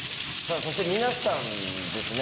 そして皆さんですね